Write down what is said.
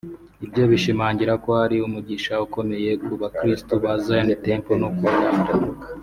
Ibyo bishimangira ko ari umugisha ukomeye ku bakristo ba Zion Temple no ku Rwanda